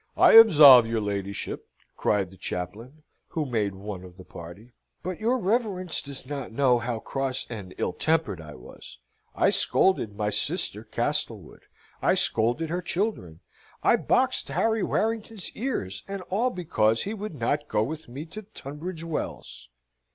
"I absolve your ladyship!" cried the chaplain, who made one of the party. "But your reverence does not know how cross and ill tempered I was. I scolded my sister, Castlewood: I scolded her children, I boxed Harry Warrington's ears: and all because he would not go with me to Tunbridge Wells."